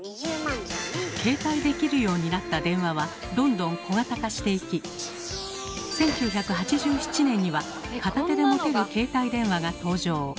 携帯できるようになった電話はどんどん小型化していき１９８７年には片手で持てる携帯電話が登場。